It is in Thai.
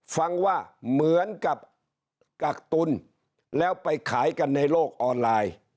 ฟังว่าเหมือนกับกักตุลแล้วไปขายกันในโลกออนไลน์